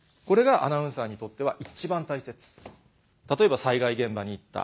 例えば災害現場に行った。